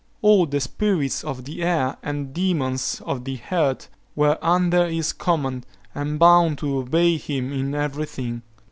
All the spirits of the air and demons of the earth were under his command, and bound to obey him in everything.